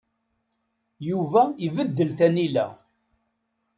Yuba ibeddel tanila.